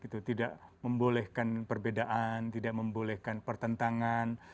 tidak membolehkan perbedaan tidak membolehkan pertentangan